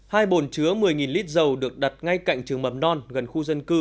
hai bồn chứa một mươi lít dầu được đặt ngay cạnh trường mầm non gần khu dân cư